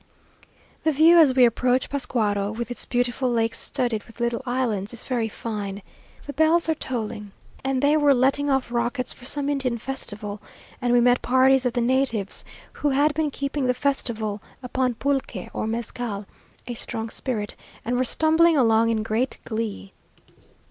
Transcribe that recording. The view as we approach Pascuaro with its beautiful lake studded with little islands, is very fine. The bells were tolling, and they were letting off rockets for some Indian festival, and we met parties of the natives who had been keeping the festival upon pulque or mezcal (a strong spirit) and were stumbling along in great glee.